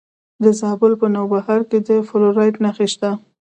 د زابل په نوبهار کې د فلورایټ نښې شته.